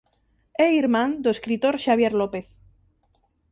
É irmán do escritor Xabier López.